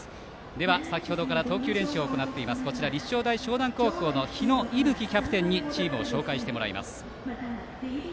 では、先ほどから投球練習を行っている立正大淞南高校の日野勇吹キャプテンにチームを紹介してもらいます。